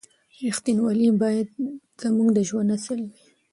رښتینولي باید زموږ د ژوند اصل وي.